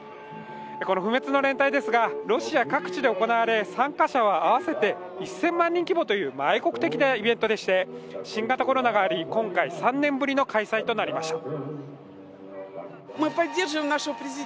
この不滅の連隊ですが、ロシア各地で行われ参加者は合わせて１０００万人規模という愛国的なイベントでして新型コロナがあり、今回３年ぶりの開催となりました。